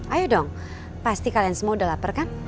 ayo dong pasti kalian semua udah lapar kan